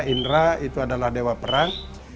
indra itu adalah dewa perang